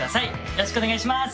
よろしくお願いします。